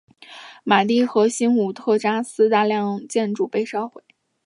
马蒂和新武特扎斯大量建筑被烧毁。